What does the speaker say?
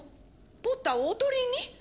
ポッターをおとりに？